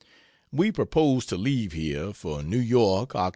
We propose to leave here for New York Oct.